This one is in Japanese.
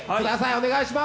お願いします。